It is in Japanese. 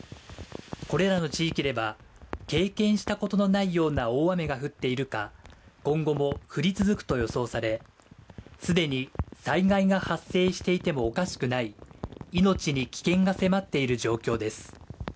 これらの地域では経験したことのないような大雨が降っているか今後も降り続くと予想されすでに災害が発生していてもおかしくない命に危険が迫っている状況です